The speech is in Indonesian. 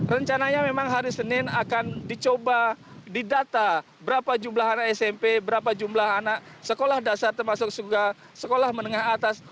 rencananya memang hari senin akan dicoba didata berapa jumlah anak smp berapa jumlah anak sekolah dasar termasuk juga sekolah menengah atas